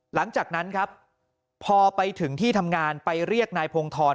หลังจากนั้นครับพอไปถึงที่ทำงานไปเรียกนายพงธร